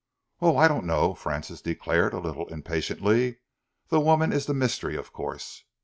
"Oh, I don't know!" Francis declared, a little impatiently. "The woman is the mystery, of course.